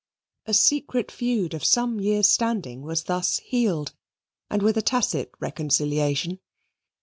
A secret feud of some years' standing was thus healed, and with a tacit reconciliation.